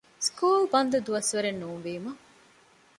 ސްކޫލް ބަންދު ދުވަސްވަރެއް ނޫންވީމަ